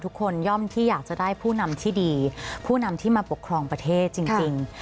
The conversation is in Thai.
ย่อมที่อยากจะได้ผู้นำที่ดีผู้นำที่มาปกครองประเทศจริง